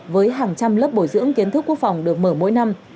với hàng trăm lớp bồi dưỡng kiến thức quốc phòng được mở mỗi năm